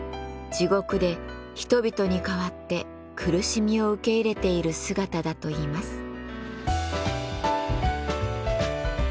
地獄で人々に代わって苦しみを受け入れている姿だといいます。